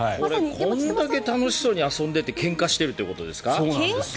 これだけ楽しそうに遊んでいてけんかしているということですか？